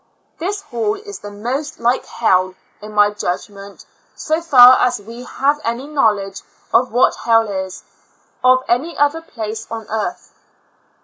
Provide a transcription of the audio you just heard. This hall is the most like hell, in my judg ment, so far as we have any knowledge of what hell is, of any other place on earth.